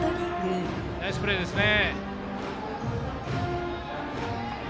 ナイスプレーですね。